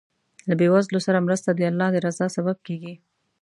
له بېوزلو سره مرسته د الله د رضا سبب کېږي.